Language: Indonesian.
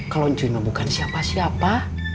kalau joino bukan siapa siapa